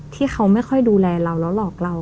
ที่เขาไม่ค่อยดูแลเราแล้วหลอกเรา